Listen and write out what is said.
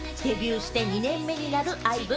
デビューして２年目になるＩＶＥ。